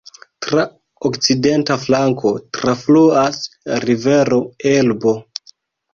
Tra okcidenta flanko trafluas rivero Elbo.